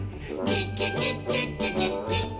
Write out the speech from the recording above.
「キッキキッキッキキッキッキ」